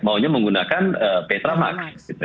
maunya menggunakan petra max